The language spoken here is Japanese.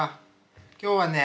今日はね